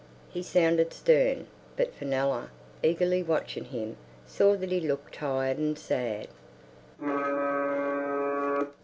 He sounded stern, but Fenella, eagerly watching him, saw that he looked tired and sad.